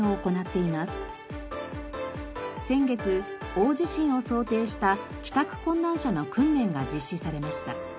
先月大地震を想定した帰宅困難者の訓練が実施されました。